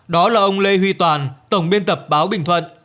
đó là ông lê huy toàn tổng biên tập báo bình thuận